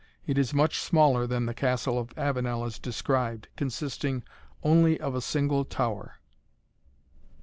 It is much smaller than the Castle of Avenel is described, consisting only of a single tower.